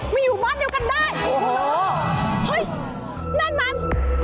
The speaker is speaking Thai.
มาอยู่บ้านเดียวกันได้